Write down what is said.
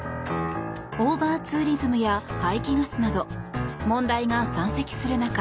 オーバーツーリズムや排気ガスなど問題が山積する中